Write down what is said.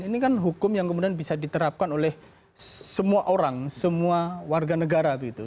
ini kan hukum yang kemudian bisa diterapkan oleh semua orang semua warga negara